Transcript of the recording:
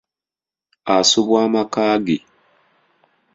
Asubwa amaka ge.